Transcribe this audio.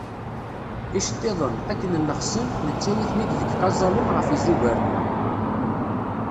Icettiḍen, akken llexsen, nettawi-ten-id deg yiqaẓalen ɣef yizugar-nneɣ.